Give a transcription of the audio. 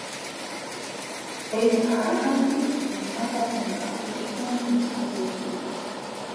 Er ist verheiratet und Vater von drei Töchtern und zwei Söhnen.